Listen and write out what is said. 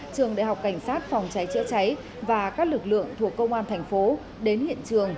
trường đại học cảnh sát phòng cháy chữa cháy và các lực lượng thuộc công an thành phố đến hiện trường